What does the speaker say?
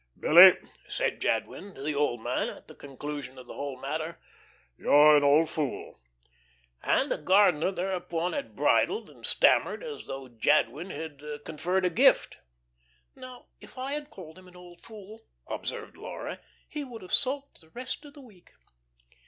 "Billy," said Jadwin, to the old man at the conclusion of the whole matter, "you're an old fool." And the gardener thereupon had bridled and stammered as though Jadwin had conferred a gift. "Now if I had called him 'an old fool,'" observed Laura, "he would have sulked the rest of the week."